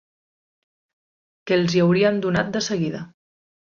Que els hi haurien donat des-seguida